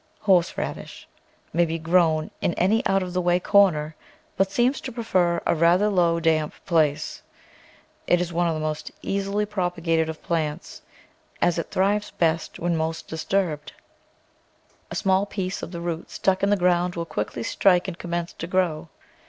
HORSE RADISH ]VIay be grown in any out of the way corner, but seems to prefer a rather low, damp place. It is one of the most easily propagated of plants, as it thrives best when most disturbed. A small piece of the root stuck in the ground will quickly strike and commence to grow.